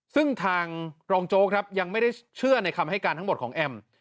ซึ่งทางรองโจ๊กครับยังไม่ได้เชื่อในคำให้การทั้งหมดของแอม